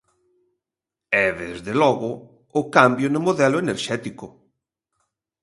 E, desde logo, o cambio no modelo enerxético.